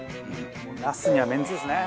茄子にはめんつゆですね